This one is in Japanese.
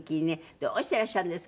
どうしてらっしゃるんですか？